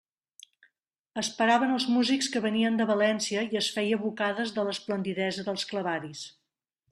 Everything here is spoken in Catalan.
Esperaven els músics que venien de València, i es feia bocades de l'esplendidesa dels clavaris.